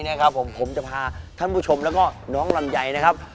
นะครับผมผมจะพาท่านผู้ชมแล้วก็น้องลำไยนะครับ